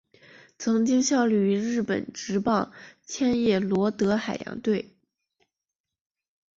曾经效力于日本职棒千叶罗德海洋队。